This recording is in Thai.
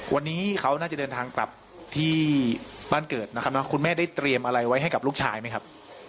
วันนี้เขาน่าจะเดินทางกลับที่บ้านเกิดนะครับแล้วคุณแม่ได้เตรียมอะไรไว้ให้กับลูกชายไหมครับ